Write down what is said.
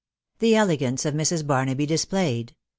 THE ELEGANCE OF MRS. BARNABY DISPLAYED.